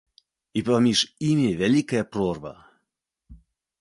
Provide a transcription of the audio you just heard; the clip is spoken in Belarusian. І паміж імі вялікая прорва.